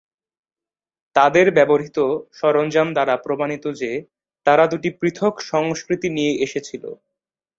তাদের ব্যবহৃত সরঞ্জাম দ্বারা প্রমাণিত যে তারা দুটি পৃথক সংস্কৃতি নিয়ে এসেছিল।